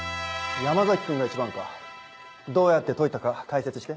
山崎君が１番かどうやって解いたか解説して。